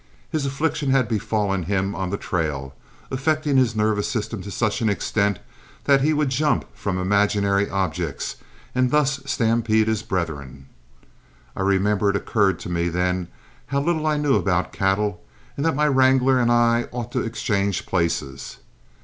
His affliction had befallen him on the trail, affecting his nervous system to such an extent that he would jump from imaginary objects and thus stampede his brethren. I remember it occurred to me, then, how little I knew about cattle, and that my wrangler and I ought to exchange places.